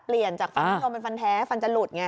เปลี่ยนจากฟันน้ำนมเป็นฟันแท้ฟันจะหลุดไง